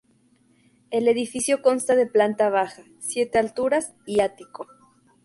El edificio consta de planta baja, siete alturas y ático.